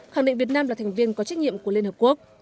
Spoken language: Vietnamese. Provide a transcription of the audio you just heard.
khẳng định việt nam là thành viên có trách nhiệm của liên hợp quốc